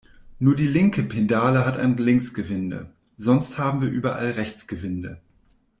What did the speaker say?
Nur die linke Pedale hat ein Linksgewinde, sonst haben wir überall Rechtsgewinde.